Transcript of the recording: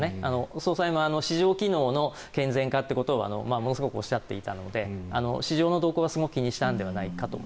総裁も市場機能の健全化ということをものすごくおっしゃっていたので市場の動向はすごく気にしたのではないかと。